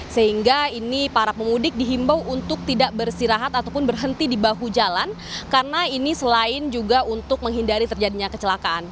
sehingga ini para pemudik dihimbau untuk tidak bersirahat ataupun berhenti di bahu jalan karena ini selain juga untuk menghindari terjadinya kecelakaan